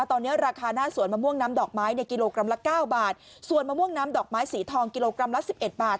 ตอนนี้ราคาหน้าสวนมะม่วงน้ำดอกไม้เนี่ยกิโลกรัมละเก้าบาทส่วนมะม่วงน้ำดอกไม้สีทองกิโลกรัมละสิบเอ็ดบาท